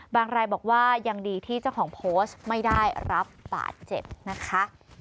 รายบอกว่ายังดีที่เจ้าของโพสต์ไม่ได้รับบาดเจ็บนะคะ